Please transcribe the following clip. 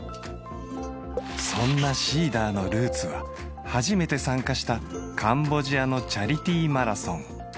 そんなＳｅｅｄｅｒのルーツは初めて参加したカンボジアのチャリティーマラソン